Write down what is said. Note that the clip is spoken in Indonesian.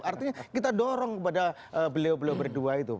artinya kita dorong kepada beliau beliau berdua itu